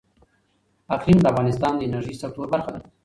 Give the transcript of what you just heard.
اقلیم د افغانستان د انرژۍ سکتور برخه ده.